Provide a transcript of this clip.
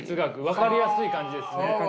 分かりやすい感じですね。